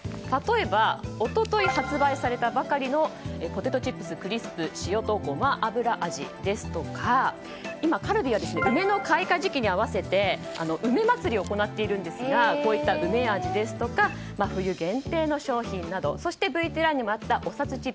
例えば一昨日発売されたばかりのポテトチップスクリスプ塩とごま油味ですとか今、カルビーは梅の開花時期に合わせて梅祭りを行っているんですがこういった梅味ですとか冬限定の商品などそして、ＶＴＲにもあったおさつ